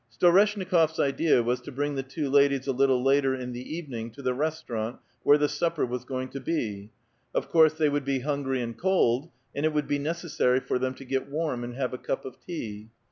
Storeslmikof s idea was to bring the two ladies a Httle later in the evening to the restaurant where the supper was going to be ; of course, they would be hungry and cold, and it would be necessary for them to get warm, and have a cup of tea.